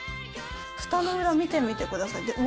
ふたの裏、見てみてください。